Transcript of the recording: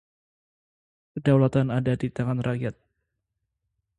Kedaulatan ada di tangan rakyat.